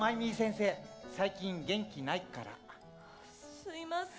すいません。